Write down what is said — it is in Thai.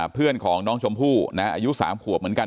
เพื่อนของน้องชมพู่อายุ๓ขวบเหมือนกัน